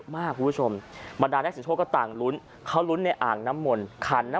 ไปดูเยอะมาก